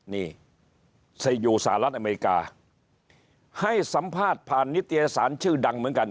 นี่ใส่อยู่สหรัฐอเมริกาให้สัมภาษณ์ผ่านนิตยสารชื่อดังเหมือนกัน